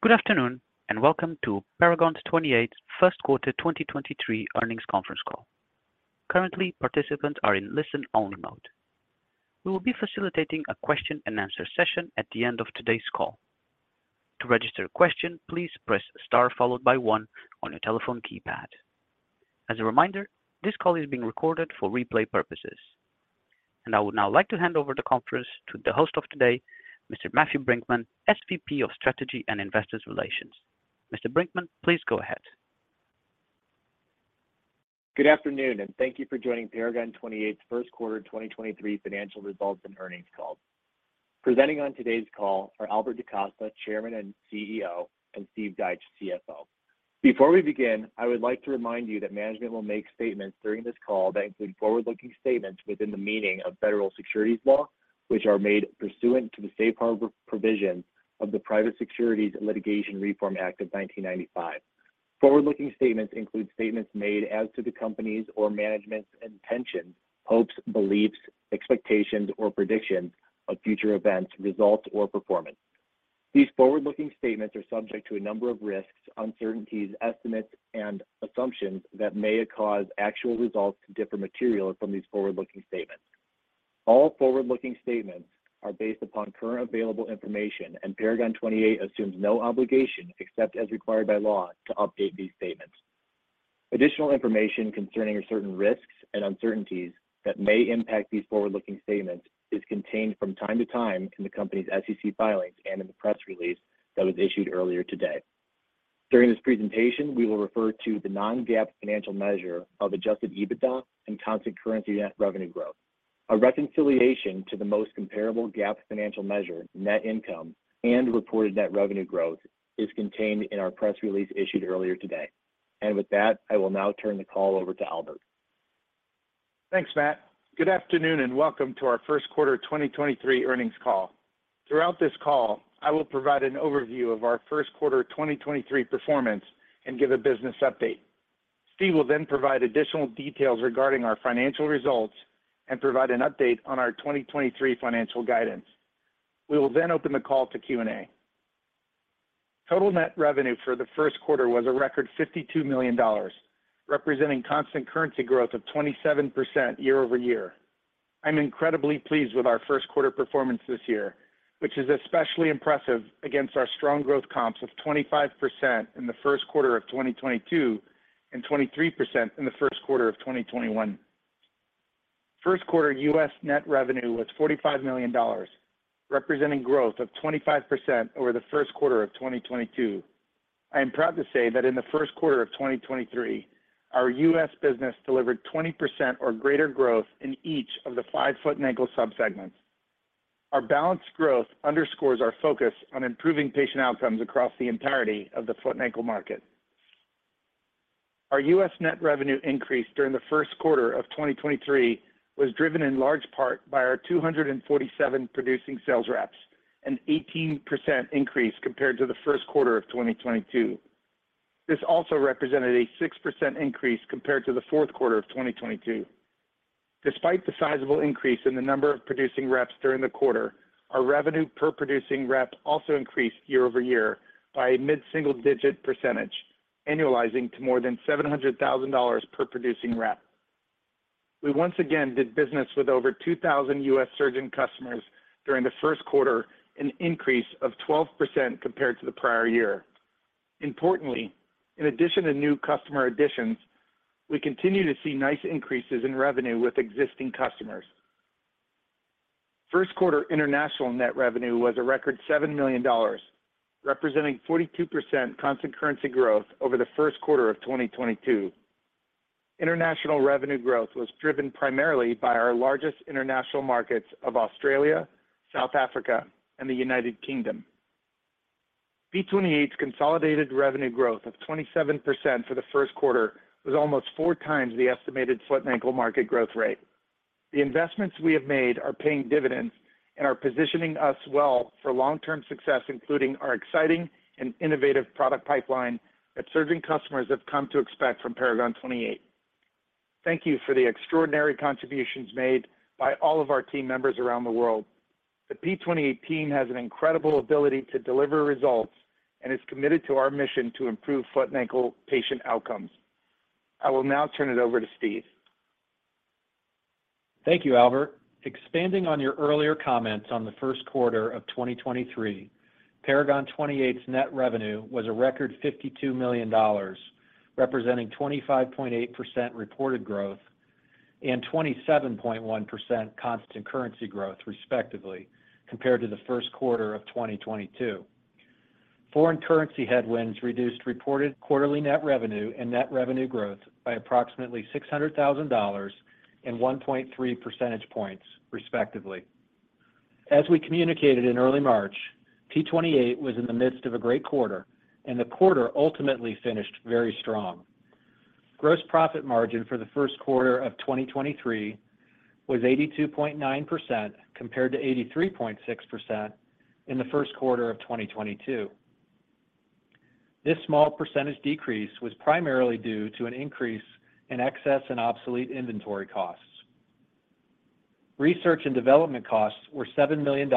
Good afternoon, welcome to Paragon 28, Inc. first quarter 2023 earnings conference call. Currently, participants are in listen-only mode. We will be facilitating a question-and-answer session at the end of today's call. To register a question, please press star followed by oneF on your telephone keypad. As a reminder, this call is being recorded for replay purposes. I would now like to hand over the conference to the host of today, Mr. Matthew Brinckman, SVP of Strategy and Investor Relations. Mr. Brinckman, please go ahead. Good afternoon, and thank you for joining Paragon 28 first quarter 2023 financial results and earnings call. Presenting on today's call are Albert DaCosta, Chairman and CEO, and Stephen Deitsch, CFO. Before we begin, I would like to remind you that management will make statements during this call that include forward-looking statements within the meaning of Federal Securities law, which are made pursuant to the safe harbor provisions of the Private Securities Litigation Reform Act of 1995. Forward-looking statements include statements made as to the company's or management's intentions, hopes, beliefs, expectations, or predictions of future events, results or performance. These forward-looking statements are subject to a number of risks, uncertainties, estimates, and assumptions that may have caused actual results to differ materially from these forward-looking statements. All forward-looking statements are based upon current available information and Paragon 28 assumes no obligation, except as required by law, to update these statements. Additional information concerning certain risks and uncertainties that may impact these forward-looking statements is contained from time to time in the company's SEC filings and in the press release that was issued earlier today. During this presentation, we will refer to the non-GAAP financial measure of adjusted EBITDA and constant currency net revenue growth. A reconciliation to the most comparable GAAP financial measure, net income and reported net revenue growth is contained in our press release issued earlier today. With that, I will now turn the call over to Albert. Thanks, Matt. Good afternoon, and welcome to our first quarter 2023 earnings call. Throughout this call, I will provide an overview of our first quarter 2023 performance and give a business update. Steve will then provide additional details regarding our financial results and provide an update on our 2023 financial guidance. We will then open the call to Q&A. Total net revenue for the first quarter was a record $52 million, representing constant currency growth of 27% year-over-year. I'm incredibly pleased with our first quarter performance this year, which is especially impressive against our strong growth comps of 25% in the first quarter of 2022 and 23% in the first quarter of 2021. First quarter U.S. net revenue was $45 million, representing growth of 25% over the first quarter of 2022. I am proud to say that in the first quarter of 2023, our U.S. business delivered 20% or greater growth in each of the five foot and ankle sub-segments. Our balanced growth underscores our focus on improving patient outcomes across the entirety of the foot and ankle market. Our U.S. net revenue increase during the first quarter of 2023 was driven in large part by our 247 producing sales reps, an 18% increase compared to the first quarter of 2022. This also represented a 6% increase compared to the fourth quarter of 2022. Despite the sizable increase in the number of producing reps during the quarter, our revenue per producing rep also increased year-over-year by a mid-single digit %, annualizing to more than $700 thousand per producing rep. We once again did business with over 2,000 US surgeon customers during the first quarter, an increase of 12% compared to the prior-year. Importantly, in addition to new customer additions, we continue to see nice increases in revenue with existing customers. First quarter international net revenue was a record $7 million, representing 42% constant currency growth over the first quarter of 2022. International revenue growth was driven primarily by our largest international markets of Australia, South Africa, and the United Kingdom. P28's consolidated revenue growth of 27% for the first quarter was almost 4x the estimated foot and ankle market growth rate. The investments we have made are paying dividends and are positioning us well for long-term success, including our exciting and innovative product pipeline that surgeon customers have come to expect from Paragon 28. Thank you for the extraordinary contributions made by all of our team members around the world. The P28 team has an incredible ability to deliver results and is committed to our mission to improve foot and ankle patient outcomes. I will now turn it over to Steve. Thank you, Albert. Expanding on your earlier comments on the first quarter of 2023, Paragon 28's net revenue was a record $52 million, representing 25.8% reported growth and 27.1% constant currency growth, respectively, compared to the first quarter of 2022. Foreign currency headwinds reduced reported quarterly net revenue and net revenue growth by approximately $600,000 and 1.3 percentage points, respectively. As we communicated in early March, P28 was in the midst of a great quarter, and the quarter ultimately finished very strong. Gross profit margin for the first quarter of 2023 was 82.9% compared to 83.6% in the first quarter of 2022. This small percentage decrease was primarily due to an increase in excess and obsolete inventory costs. Research and development costs were $7 million,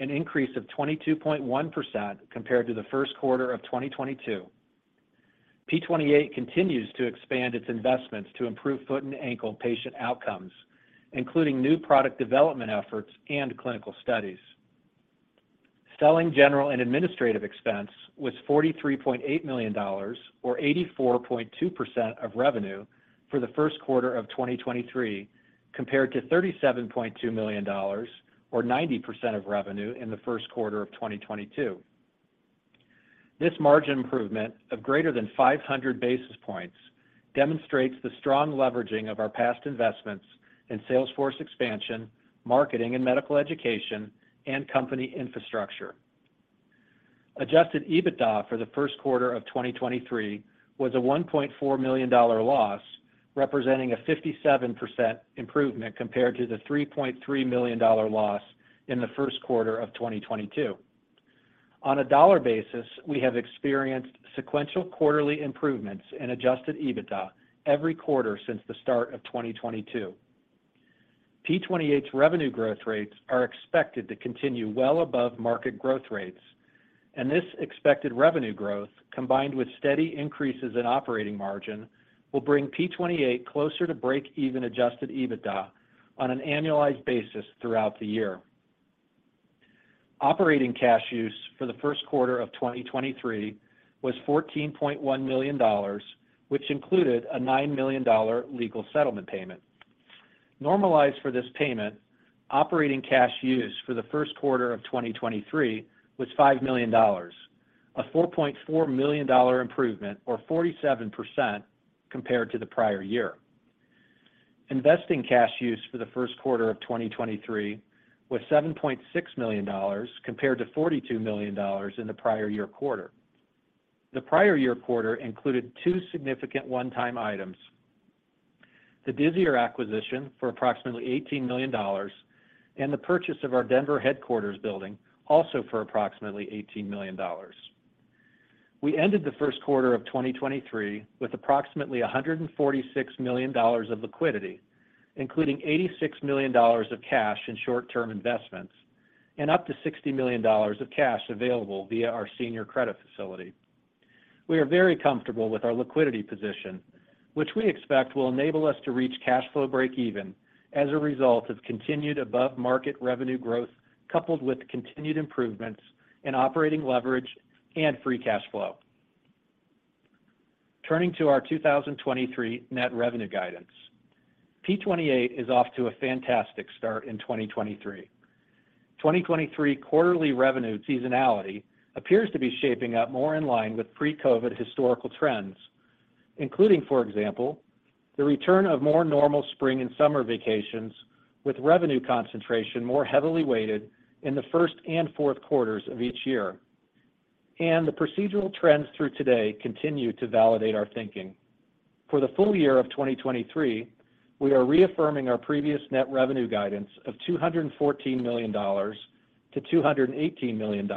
an increase of 22.1% compared to the first quarter of 2022. P28 continues to expand its investments to improve foot and ankle patient outcomes, including new product development efforts and clinical studies. Selling general and administrative expense was $43.8 million or 84.2% of revenue for the first quarter of 2023, compared to $37.2 million or 90% of revenue in the first quarter of 2022. This margin improvement of greater than 500 basis points demonstrates the strong leveraging of our past investments in sales force expansion, marketing and medical education, and company infrastructure. Adjusted EBITDA for the first quarter of 2023 was a $1.4 million loss, representing a 57% improvement compared to the $3.3 million loss in the first quarter of 2022. On a dollar basis, we have experienced sequential quarterly improvements in adjusted EBITDA every quarter since the start of 2022. P28's revenue growth rates are expected to continue well above market growth rates, and this expected revenue growth, combined with steady increases in operating margin, will bring P28 closer to break-even adjusted EBITDA on an annualized basis throughout the year. Operating cash use for the first quarter of 2023 was $14.1 million, which included a $9 million legal settlement payment. Normalized for this payment, operating cash use for the first quarter of 2023 was $5 million, a $4.4 million improvement or 47% compared to the prior-year. Investing cash use for the first quarter of 2023 was $7.6 million compared to $42 million in the prior-year quarter. The prior-year quarter included two significant one-time items. The Disior acquisition for approximately $18 million and the purchase of our Denver headquarters building also for approximately $18 million. We ended the first quarter of 2023 with approximately $146 million of liquidity, including $86 million of cash and short-term investments and up to $60 million of cash available via our senior credit facility. We are very comfortable with our liquidity position, which we expect will enable us to reach cash flow break even as a result of continued above-market revenue growth coupled with continued improvements in operating leverage and free cash flow. Turning to our 2023 net revenue guidance. P28 is off to a fantastic start in 2023. 2023 quarterly revenue seasonality appears to be shaping up more in line with pre-COVID historical trends, including, for example, the return of more normal spring and summer vacations with revenue concentration more heavily weighted in the first and fourth quarters of each year. The procedural trends through today continue to validate our thinking. For the full-year of 2023, we are reaffirming our previous net revenue guidance of $214 million to $218 million,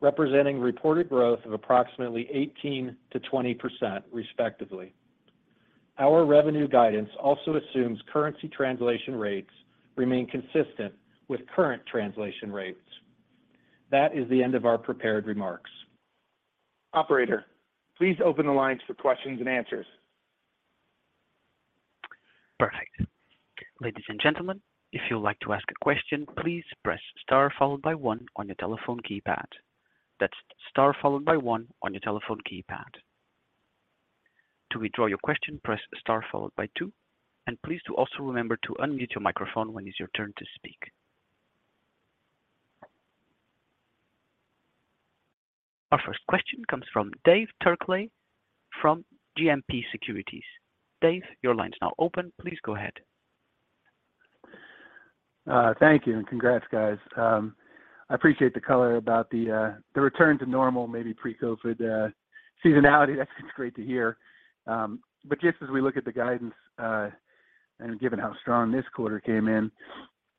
representing reported growth of approximately 18%-20% respectively. Our revenue guidance also assumes currency translation rates remain consistent with current translation rates. That is the end of our prepared remarks. Operator, please open the lines for questions and answers. Perfect. Ladies and gentlemen, if you'd like to ask a question, please press star followed by one on your telephone keypad. That's star followed by one on your telephone keypad. To withdraw your question, press star followed by two, and please do also remember to unmute your microphone when it's your turn to speak. Our first question comes from David Turkaly from JMP Securities. Dave, your line is now open. Please go ahead. Thank you, and congrats, guys. I appreciate the color about the return to normal, maybe pre-COVID, seasonality. That's great to hear. Just as we look at the guidance, and given how strong this quarter came in,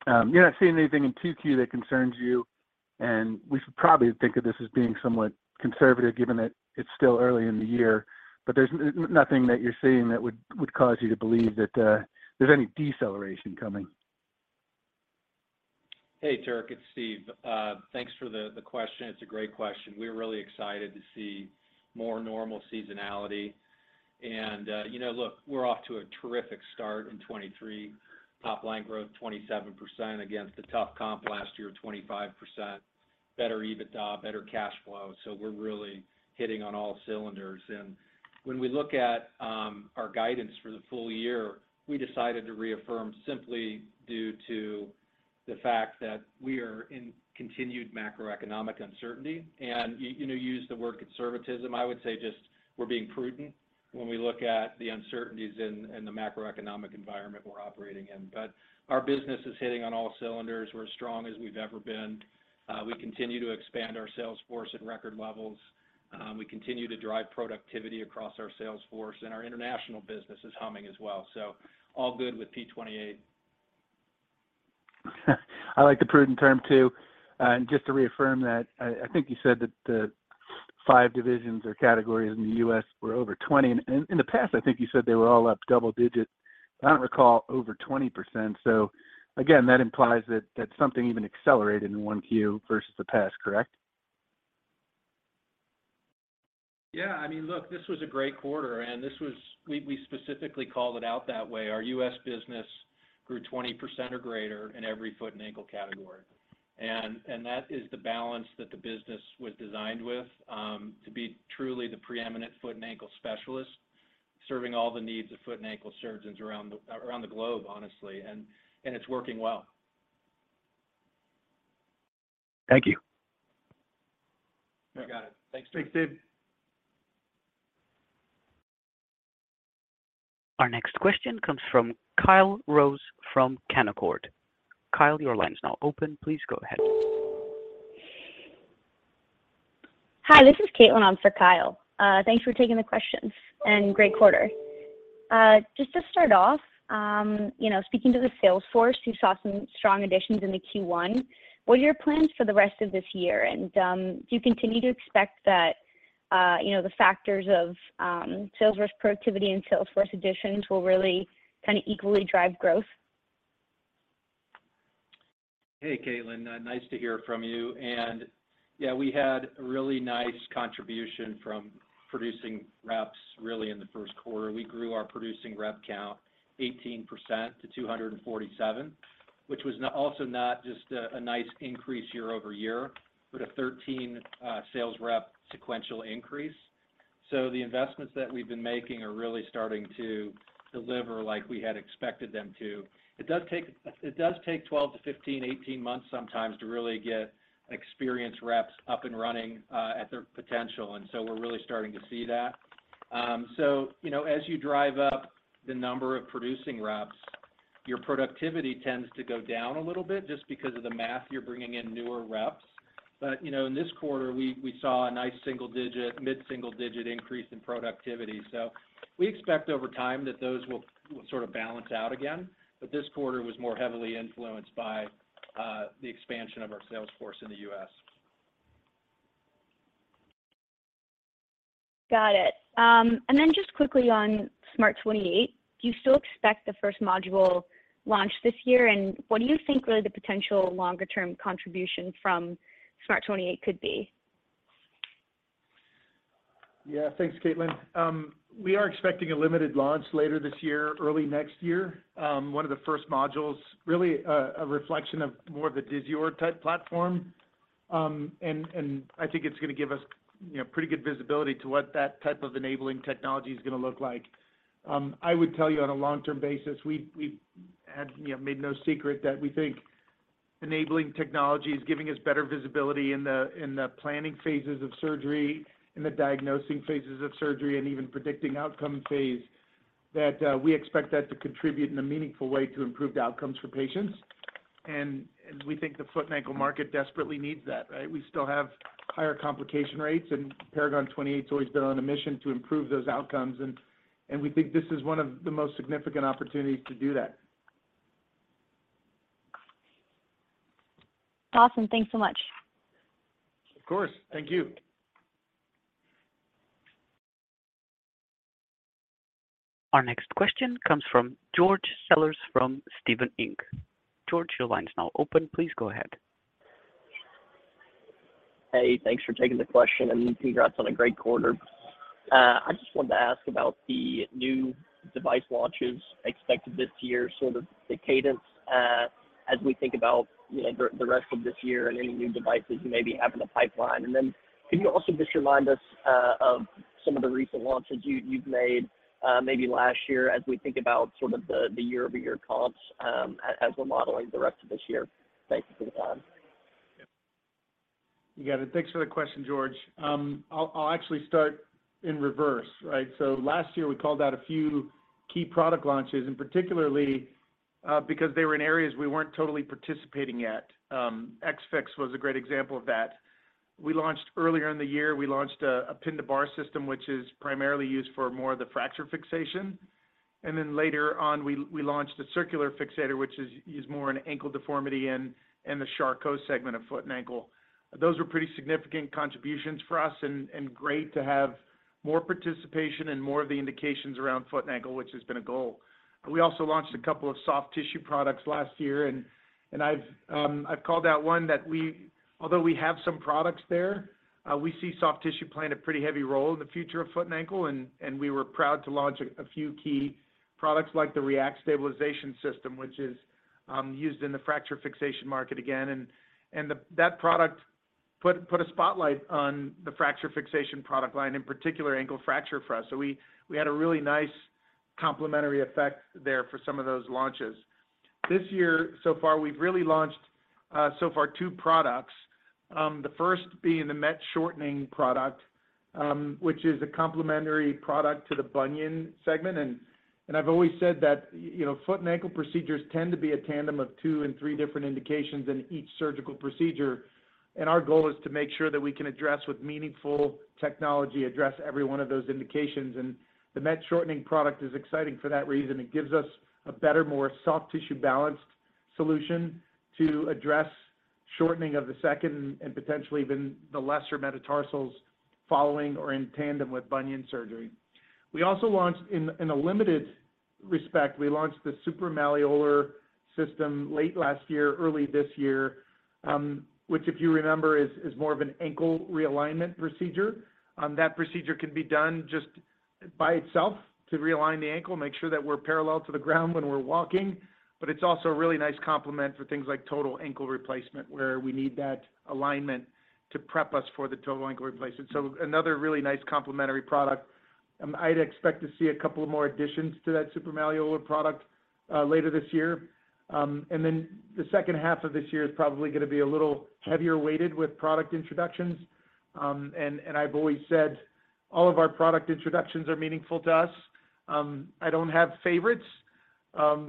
you're not seeing anything in two Q that concerns you, and we should probably think of this as being somewhat conservative given that it's still early in the year, but there's nothing that you're seeing that would cause you to believe that there's any deceleration coming? Hey, Turk, it's Steve. Thanks for the question. It's a great question. We're really excited to see more normal seasonality and, you know, look, we're off to a terrific start in 2023. Top line growth, 27% against the tough comp last year, 25%. Better EBITDA, better cash flow. We're really hitting on all cylinders. When we look at our guidance for the full-year, we decided to reaffirm simply due to the fact that we are in continued macroeconomic uncertainty. You know, you use the word conservatism. I would say just we're being prudent when we look at the uncertainties in the macroeconomic environment we're operating in. Our business is hitting on all cylinders. We're as strong as we've ever been. We continue to expand our sales force at record levels. We continue to drive productivity across our sales force, and our international business is humming as well. All good with Paragon 28. I like the prudent term too. Just to reaffirm that, I think you said that the 5 divisions or categories in the U.S. were over 20. In the past, I think you said they were all up double digits. I don't recall over 20%. Again, that implies that something even accelerated in 1Q versus the past, correct? Yeah. I mean, look, this was a great quarter. We specifically called it out that way. Our U.S. business grew 20% or greater in every foot and ankle category. That is the balance that the business was designed with to be truly the preeminent foot and ankle specialist serving all the needs of foot and ankle surgeons around the globe, honestly. It's working well. Thank you. You got it. Thanks. Thanks, Dave. Our next question comes from Kyle Rose from Canaccord. Kyle, your line is now open. Please go ahead. Hi, this is Caitlin on for Kyle. Thanks for taking the questions, and great quarter. Just to start off, you know, speaking to the sales force, you saw some strong additions in the Q1. What are your plans for the rest of this year? Do you continue to expect that, you know, the factors of sales rep productivity and sales force additions will really kind of equally drive growth? Hey, Caitlin, nice to hear from you. Yeah, we had a really nice contribution from producing reps really in the first quarter. We grew our producing rep count 18% to 247, which was also not just a nice increase year-over-year, but a 13 sales rep sequential increase. The investments that we've been making are really starting to deliver like we had expected them to. It does take 12-15, 18 months sometimes to really get experienced reps up and running at their potential. We're really starting to see that. So, you know, as you drive up the number of producing reps, your productivity tends to go down a little bit just because of the math. You're bringing in newer reps. You know, in this quarter we saw a nice single digit, mid-single digit increase in productivity. We expect over time that those will sort of balance out again. This quarter was more heavily influenced by the expansion of our sales force in the U.S. Got it. Then just quickly on SMART 28, do you still expect the first module launch this year? What do you think really the potential longer term contribution from SMART 28 could be? Thanks, Caitlin. We are expecting a limited launch later this year, early next year. One of the first modules, really a reflection of more of a Disior type platform. I think it's gonna give us, you know, pretty good visibility to what that type of enabling technology is gonna look like. I would tell you on a long-term basis, we have, you know, made no secret that we think enabling technology is giving us better visibility in the planning phases of surgery, in the diagnosing phases of surgery, and even predicting outcome phase, that we expect that to contribute in a meaningful way to improved outcomes for patients. We think the foot and ankle market desperately needs that, right? We still have higher complication rates, and Paragon 28's always been on a mission to improve those outcomes, and we think this is one of the most significant opportunities to do that. Awesome. Thanks so much. Of course. Thank you. Our next question comes from George Sellers from Stephens Inc. George, your line is now open. Please go ahead. Hey, thanks for taking the question, and congrats on a great quarter. I just wanted to ask about the new device launches expected this year, sort of the cadence, as we think about, you know, the rest of this year and any new devices you may have in the pipeline. Can you also just remind us of some of the recent launches you've made, maybe last year as we think about sort of the year-over-year comps, as we're modeling the rest of this year? Thanks for the time. You got it. Thanks for the question, George. I'll actually start in reverse, right? Last year we called out a few key product launches and particularly because they were in areas we weren't totally participating yet. X-Fix was a great example of that. Earlier in the year, we launched a Pin to Bar system, which is primarily used for more of the fracture fixation. Later on, we launched a Circular Fixator, which is used more in ankle deformity in the Charcot segment of foot and ankle. Those were pretty significant contributions for us and great to have more participation and more of the indications around foot and ankle, which has been a goal. We also launched a couple of soft tissue products last year, and I've called out one that although we have some products there, we see soft tissue playing a pretty heavy role in the future of foot and ankle, and we were proud to launch a few key products like the R3ACT Stabilization System, which is used in the fracture fixation market again. That product put a spotlight on the fracture fixation product line, in particular ankle fracture for us. We had a really nice complementary effect there for some of those launches. This year so far, we've really launched so far two products. The first being the MET Shortening product, which is a complementary product to the bunion segment. I've always said that, you know, foot and ankle procedures tend to be a tandem of two and three different indications in each surgical procedure. Our goal is to make sure that we can address, with meaningful technology, address every one of those indications. The MET Shortening product is exciting for that reason. It gives us a better, more soft tissue balanced. Solution to address shortening of the second and potentially even the lesser metatarsals following or in tandem with bunion surgery. We also launched in a limited respect, we launched the supramalleolar system late last year, early this year, which if you remember, is more of an ankle realignment procedure. That procedure can be done just by itself to realign the ankle, make sure that we're parallel to the ground when we're walking. It's also a really nice complement for things like total ankle replacement, where we need that alignment to prep us for the total ankle replacement. Another really nice complementary product. I'd expect to see a couple of more additions to that supramalleolar product later this year. Then the second half of this year is probably gonna be a little heavier weighted with product introductions. I've always said all of our product introductions are meaningful to us. I don't have favorites,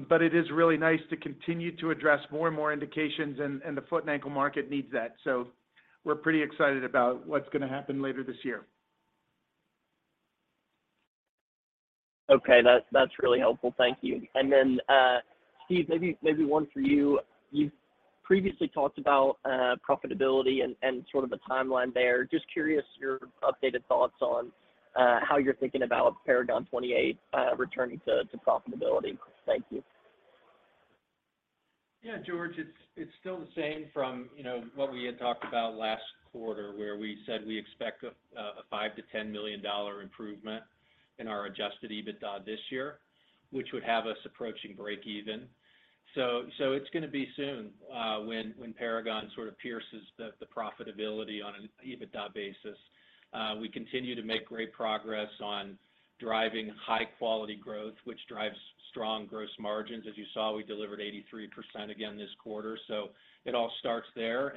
but it is really nice to continue to address more and more indications and the foot and ankle market needs that. We're pretty excited about what's gonna happen later this year. Okay. That's really helpful. Thank you. Steve, maybe one for you. You've previously talked about profitability and sort of a timeline there. Just curious your updated thoughts on how you're thinking about Paragon 28 returning to profitability. Thank you. Yeah, George, it's still the same from, you know, what we had talked about last quarter, where we said we expect a $5 million-$10 million improvement in our adjusted EBITDA this year, which would have us approaching break even. It's gonna be soon when Paragon sort of pierces the profitability on an EBITDA basis. We continue to make great progress on driving high quality growth, which drives strong gross margins. As you saw, we delivered 83% again this quarter. It all starts there.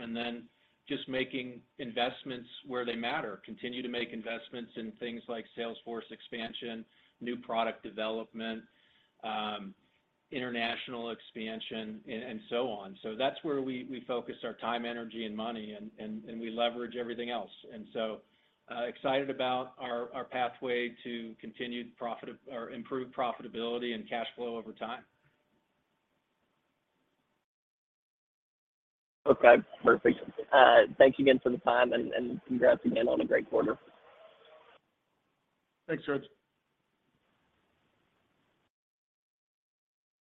Just making investments where they matter, continue to make investments in things like sales force expansion, new product development, international expansion, and so on. That's where we focus our time, energy, and money and we leverage everything else. excited about our pathway to continued improved profitability and cash flow over time. Okay, perfect. thanks again for the time and congrats again on a great quarter. Thanks, George.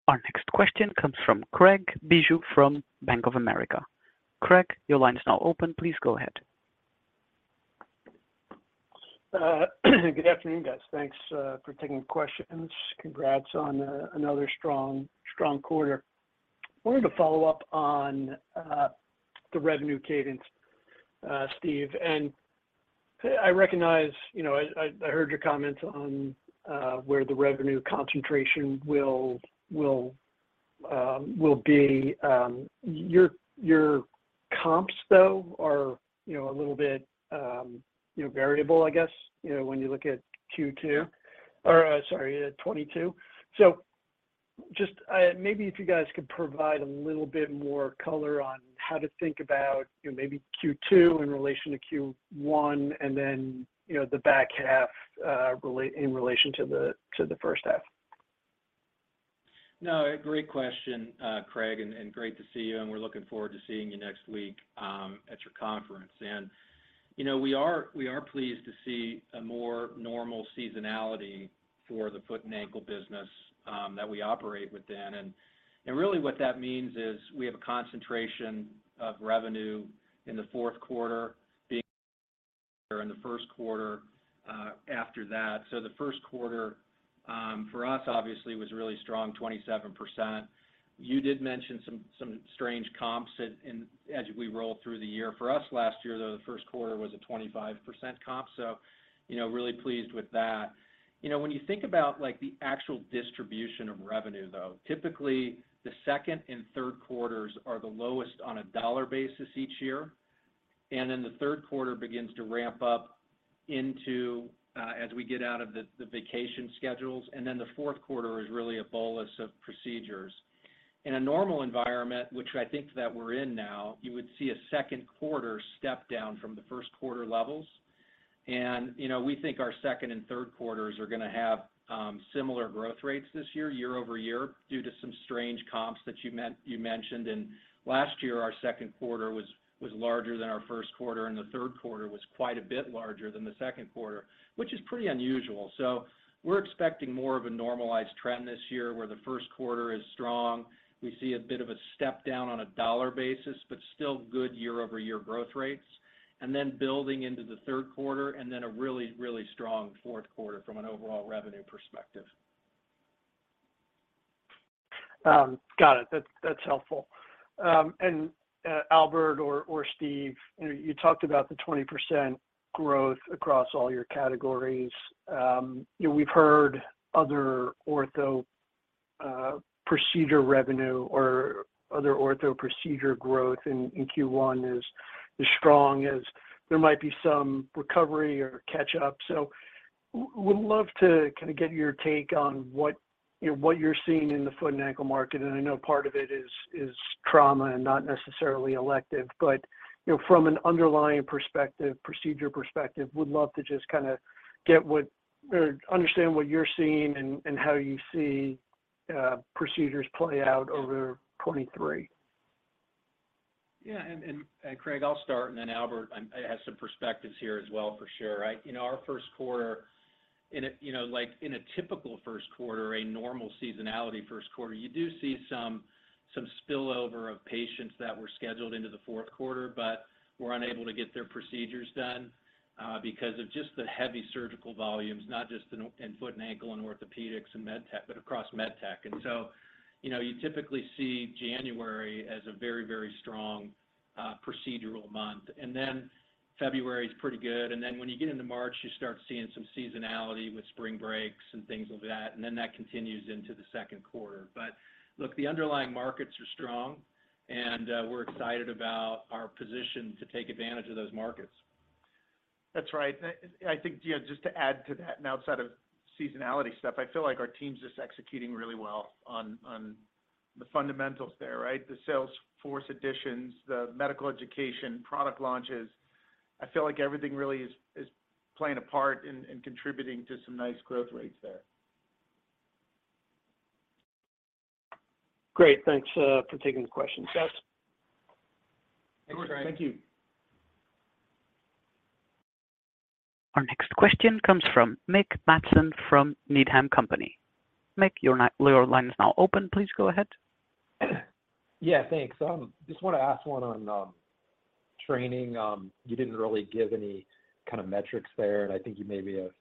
Our next question comes from Craig Bijou from Bank of America. Craig, your line is now open. Please go ahead. Good afternoon, guys. Thanks for taking questions. Congrats on another strong quarter. Wanted to follow up on the revenue cadence, Steve, and I recognize. You know, I heard your comments on where the revenue concentration will be. Your comps though are, you know, a little bit, you know, variable, I guess, you know, when you look at Q2 or, sorry, 2022. Just maybe if you guys could provide a little bit more color on how to think about, you know, maybe Q2 in relation to Q1 and then, you know, the back half in relation to the first half. No, a great question, Craig, and great to see you, and we're looking forward to seeing you next week at your conference. You know, we are pleased to see a more normal seasonality for the foot and ankle business that we operate within. Really what that means is we have a concentration of revenue in the fourth quarter in the first quarter after that. The first quarter for us obviously was really strong, 27%. You did mention some strange comps as we roll through the year. For us last year, though, the first quarter was a 25% comp, so, you know, really pleased with that. You know, when you think about like the actual distribution of revenue though, typically the second and third quarters are the lowest on a dollar basis each year. The third quarter begins to ramp up into as we get out of the vacation schedules, the fourth quarter is really a bolus of procedures. In a normal environment, which I think that we're in now, you would see a second quarter step down from the first quarter levels. You know, we think our second and third quarters are gonna have similar growth rates this year-over-year, due to some strange comps that you mentioned. Last year, our second quarter was larger than our first quarter, the third quarter was quite a bit larger than the second quarter, which is pretty unusual. We're expecting more of a normalized trend this year, where the first quarter is strong. We see a bit of a step down on a $ basis, but still good year-over-year growth rates. Then building into the third quarter and then a really, really strong fourth quarter from an overall revenue perspective. Got it. That's helpful. And Albert or Steve, you know, you talked about the 20% growth across all your categories. You know, we've heard other ortho procedure revenue or other ortho procedure growth in Q1 is as strong as there might be some recovery or catch up. Would love to kind of get your take on what, you know, what you're seeing in the foot and ankle market. I know part of it is trauma and not necessarily elective, but, you know, from an underlying perspective, procedure perspective, would love to just kinda get what Understand what you're seeing and how you see procedures play out over 2023. Yeah. Craig, I'll start, and then Albert has some perspectives here as well for sure. You know, our first quarter in a, you know, like in a typical first quarter, a normal seasonality first quarter, you do see some spillover of patients that were scheduled into the fourth quarter, but were unable to get their procedures done because of just the heavy surgical volumes, not just in foot and ankle and orthopedics and MedTech, but across MedTech. You know, you typically see January as a very, very strong procedural month. February's pretty good. When you get into March, you start seeing some seasonality with spring breaks and things of that, and then that continues into the second quarter. Look, the underlying markets are strong, and we're excited about our position to take advantage of those markets. That's right. I think, you know, just to add to that, and outside of seasonality stuff, I feel like our team's just executing really well on the fundamentals there, right? The sales force additions, the medical education, product launches. I feel like everything really is playing a part in contributing to some nice growth rates there. Great. Thanks, for taking the questions, guys. Thank you. Thanks Craig. Our next question comes from Mike Matson from Needham & Company. Mike, your line is now open. Please go ahead. Yeah, thanks. I just wanna ask one on training. You didn't really give any kind of metrics there, and I think you maybe have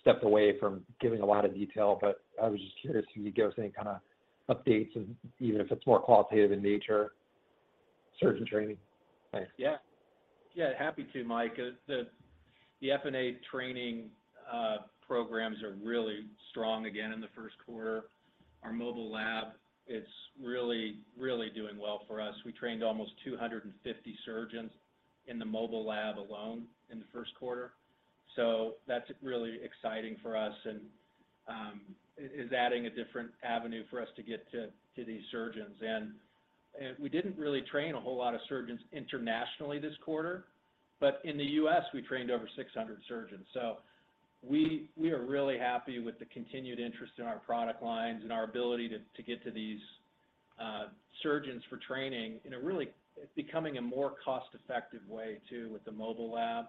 stepped away from giving a lot of detail, but I was just curious if you could give us any kinda updates and even if it's more qualitative in nature, surgeon training. Thanks. Yeah. Yeah, happy to Mike. The FNA training programs are really strong again in the first quarter. Our Mobile Lab is really doing well for us. We trained almost 250 surgeons in the Mobile Lab alone in the first quarter. That's really exciting for us and is adding a different avenue for us to get to these surgeons. We didn't really train a whole lot of surgeons internationally this quarter, but in the U.S. we trained over 600 surgeons. We are really happy with the continued interest in our product lines and our ability to get to these surgeons for training in a really. It's becoming a more cost-effective way too, with the Mobile Lab.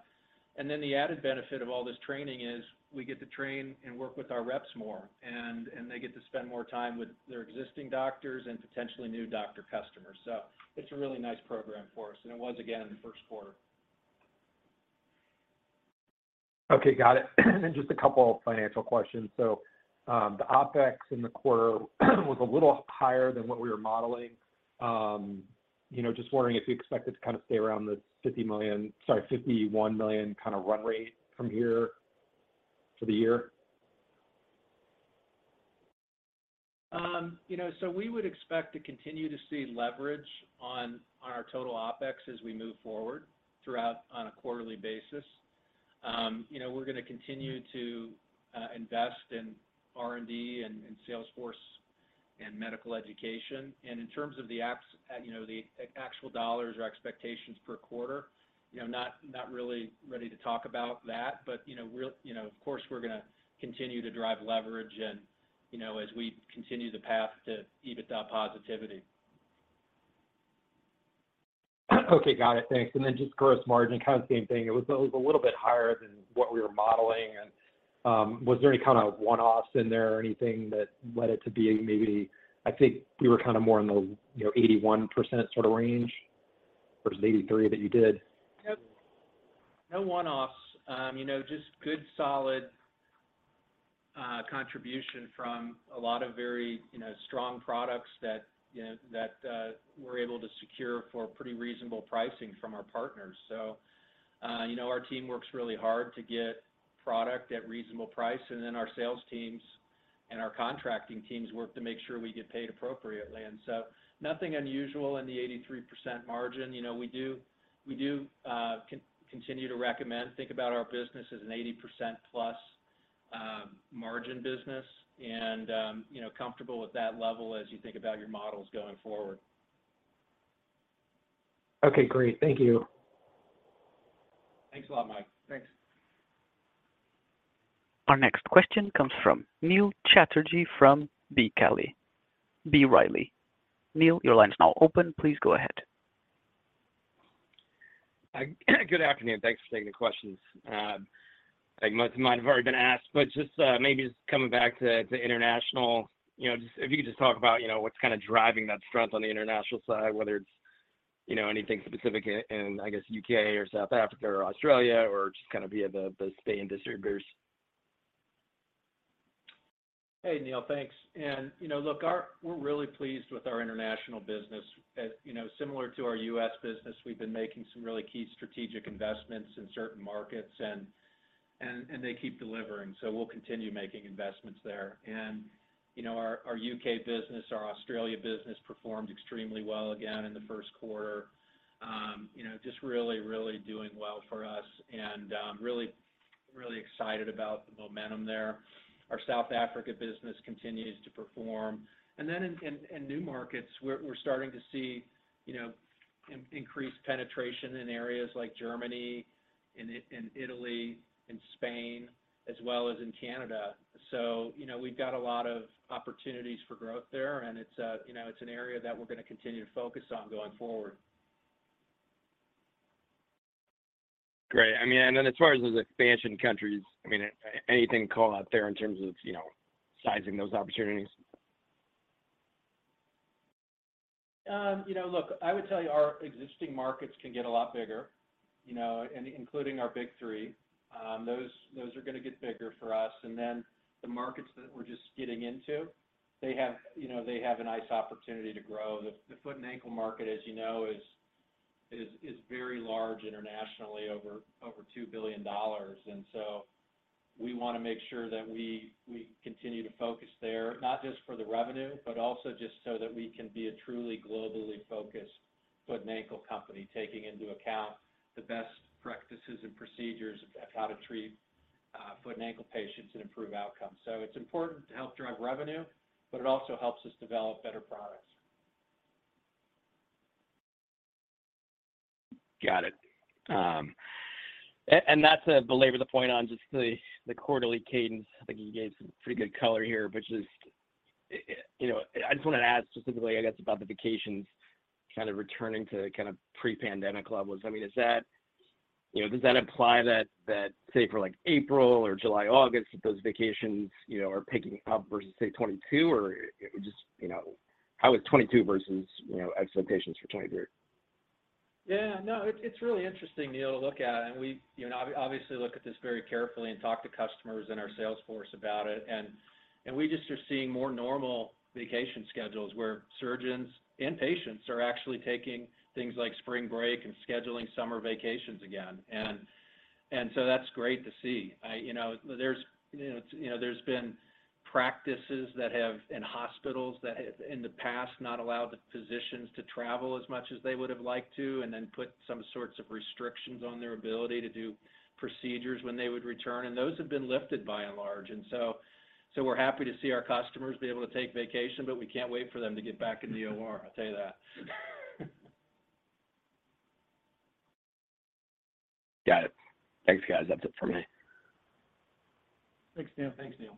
The added benefit of all this training is we get to train and work with our reps more and they get to spend more time with their existing doctors and potentially new doctor customers. It's a really nice program for us, and it was again in the first quarter. Okay. Got it. Just a couple of financial questions. You know, the OpEx in the quarter was a little higher than what we were modeling. You know, just wondering if you expect it to kind of stay around the $50 million, sorry, $51 million kind of run rate from here for the year. You know, we would expect to continue to see leverage on our total OpEx as we move forward throughout on a quarterly basis. You know, we're gonna continue to invest in R&D and sales force and medical education. In terms of you know, the actual dollars or expectations per quarter, you know, not really ready to talk about that. You know, of course, we're gonna continue to drive leverage and, you know, as we continue the path to EBITDA positivity. Okay. Got it. Thanks. Then just gross margin, kind of the same thing. It was a little bit higher than what we were modeling. Was there any kind of one-offs in there or anything that led it to being maybe. I think we were kind of more in the, you know, 81% sort of range versus 83 that you did. No, no one-offs. you know, just good solid contribution from a lot of very, you know, strong products that, you know, that we're able to secure for pretty reasonable pricing from our partners. you know, our team works really hard to get product at reasonable price, and then our sales teams and our contracting teams work to make sure we get paid appropriately. Nothing unusual in the 83% margin. you know, we do continue to recommend think about our business as an 80% plus margin business and, you know, comfortable with that level as you think about your models going forward. Okay. Great. Thank you. Thanks a lot, Mike. Thanks. Our next question comes from Neil Chatterji from B. Riley. Neil, your line is now open. Please go ahead. Good afternoon. Thanks for taking the questions. Like most might have already been asked, but just, maybe just coming back to international, you know, just if you could just talk about, you know, what's kind of driving that strength on the international side, whether it's, you know, anything specific in, I guess, UK or South Africa or Australia or just kind of via the stay industry distributors. Hey Neil, thanks. You know, look, we're really pleased with our international business. As, you know, similar to our U.S. business, we've been making some really key strategic investments in certain markets and they keep delivering. We'll continue making investments there. You know, our U.K. business, our Australia business performed extremely well again in the first quarter. You know, just really, really doing well for us and really, really excited about the momentum there. Our South Africa business continues to perform. In new markets, we're starting to see increased penetration in areas like Germany, in Italy, in Spain, as well as in Canada. You know, we've got a lot of opportunities for growth there, and it's, you know, it's an area that we're gonna continue to focus on going forward. Great. I mean, then as far as those expansion countries, I mean, anything call out there in terms of, you know, sizing those opportunities? You know, look, I would tell you our existing markets can get a lot bigger, you know, including our big three. Those are gonna get bigger for us. The markets that we're just getting into, they have, you know, they have a nice opportunity to grow. The foot and ankle market, as you know, is very large internationally, over $2 billion. We wanna make sure that we continue to focus there, not just for the revenue, but also just so that we can be a truly globally focused foot and ankle company, taking into account the best practices and procedures of how to treat foot and ankle patients and improve outcomes. It's important to help drive revenue, but it also helps us develop better products. Got it. Not to belabor the point on just the quarterly cadence, I think you gave some pretty good color here, but you know, I just wanted to ask specifically, I guess, about the vacations kind of returning to kind of pre-pandemic levels. I mean, is that? You know, does that imply that, say, for like April or July, August, that those vacations, you know, are picking up versus, say, 2022? Or just, you know, how is 2022 versus, you know, expectations for 2023? Yeah. No, it's really interesting, Neil, to look at. We, you know, obviously look at this very carefully and talk to customers and our sales force about it. We just are seeing more normal vacation schedules, where surgeons and patients are actually taking Got it. Thanks, guys. That's it for me. Thanks, Neil. Thanks, Neil.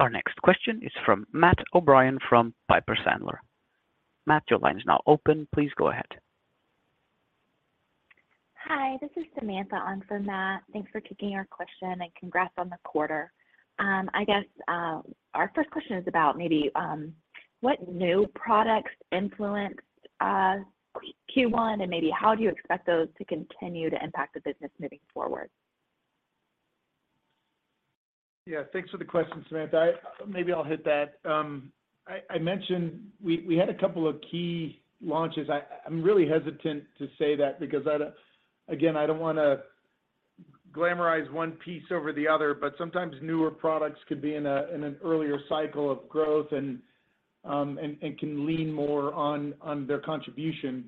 Our next question is from Matthew O'Brien from Piper Sandler. Matt, your line is now open. Please go ahead. Hi, this is Samantha on for Matt. Thanks for taking our question, and congrats on the quarter. I guess our first question is about maybe what new products influenced Q1, and maybe how do you expect those to continue to impact the business moving forward? Yeah. Thanks for the question, Samantha. Maybe I'll hit that. I mentioned we had a couple of key launches. I'm really hesitant to say that because I don't, again, I don't wanna glamorize one piece over the other, but sometimes newer products could be in an earlier cycle of growth and can lean more on their contribution.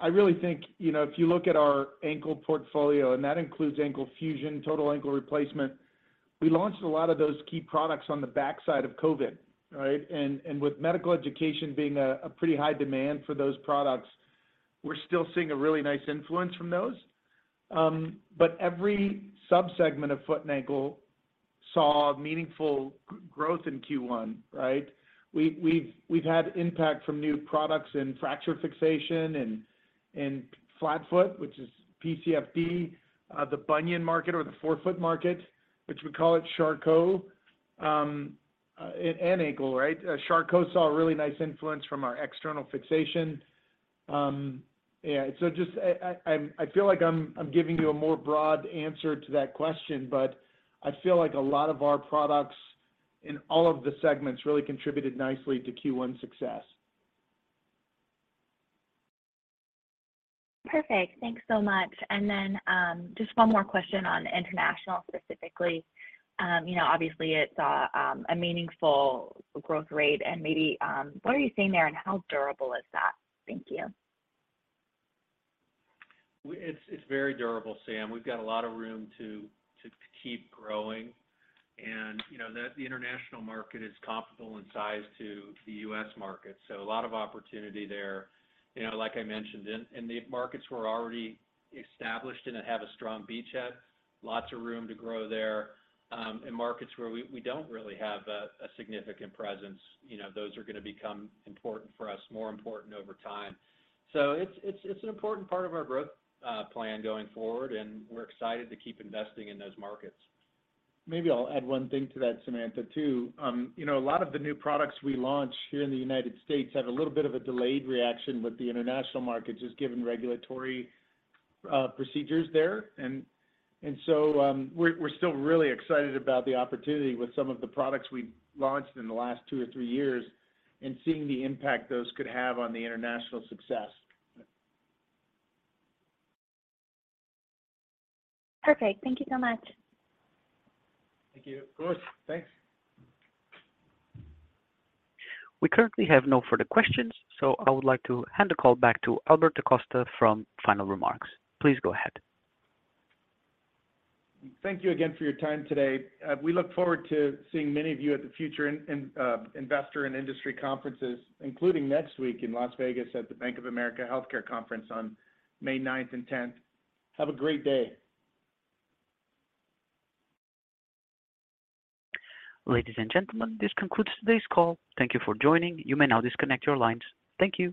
I really think, you know, if you look at our ankle portfolio, and that includes ankle fusion, total ankle replacement, we launched a lot of those key products on the backside of COVID, right? With medical education being a pretty high demand for those products, we're still seeing a really nice influence from those. Every subsegment of foot and ankle saw meaningful growth in Q1, right? We've had impact from new products in fracture fixation and flat foot, which is PCFD, the bunion market or the forefoot market, which we call it Charcot, and ankle, right? Charcot saw a really nice influence from our external fixation. Yeah. Just, I feel like I'm giving you a more broad answer to that question, but I feel like a lot of our products in all of the segments really contributed nicely to Q1 success. Perfect. Thanks so much. Just one more question on international specifically. You know, obviously it saw a meaningful growth rate, and maybe, what are you seeing there, and how durable is that? Thank you. It's very durable, Sam. We've got a lot of room to keep growing. You know, the international market is comparable in size to the U.S. market, so a lot of opportunity there. You know, like I mentioned, in the markets we're already established in and have a strong beachhead, lots of room to grow there. In markets where we don't really have a significant presence, you know, those are gonna become important for us, more important over time. It's an important part of our growth plan going forward, and we're excited to keep investing in those markets. Maybe I'll add one thing to that, Samantha, too. You know, a lot of the new products we launch here in the United States have a little bit of a delayed reaction with the international markets, just given regulatory procedures there. And so, we're still really excited about the opportunity with some of the products we've launched in the last two or three years and seeing the impact those could have on the international success. Perfect. Thank you so much. Thank you. Of course. Thanks. We currently have no further questions, so I would like to hand the call back to Albert DaCosta for final remarks. Please go ahead. Thank you again for your time today. We look forward to seeing many of you at the future investor and industry conferences, including next week in Las Vegas at the Bank of America Healthcare Conference on May ninth and tenth. Have a great day. Ladies and gentlemen, this concludes today's call. Thank you for joining. You may now disconnect your lines. Thank you.